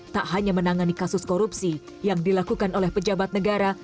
tak hanya menangani kasus korupsi yang dilakukan oleh pejabat negara